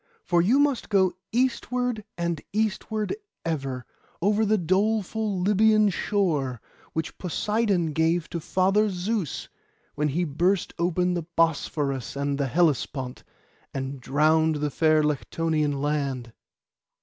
For you must go eastward and eastward ever, over the doleful Lybian shore, which Poseidon gave to Father Zeus, when he burst open the Bosphorus and the Hellespont, and drowned the fair Lectonian land.